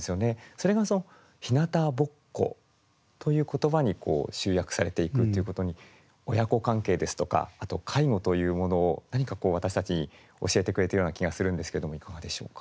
それがその「ひなたぼっこ」という言葉に集約されていくっていうことに親子関係ですとかあと介護というものを何かこう私たちに教えてくれてるような気がするんですけどもいかがでしょうか？